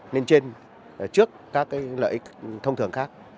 lên trên trước các lợi ích thông thường khác